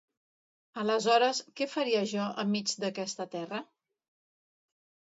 Aleshores, què faria jo enmig d'aquesta terra?